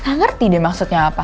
nggak ngerti deh maksudnya apa